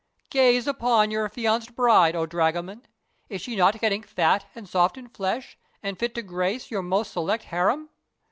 Gaze upon your affianced bride, O Dragoman! Is she not getting fat and soft in flesh, and fit to grace your most select harem?"